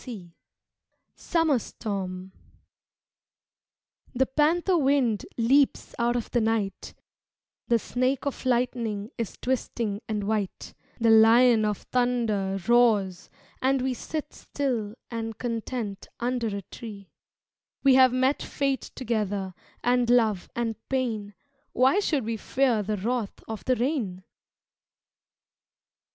XI Summer Storm The panther wind Leaps out of the night, The snake of lightning Is twisting and white, The lion of thunder Roars and we Sit still and content Under a tree We have met fate together And love and pain, Why should we fear The wrath of the rain!